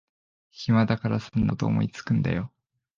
暇だからそんなこと思いつくんだよ